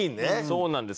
そうなんです。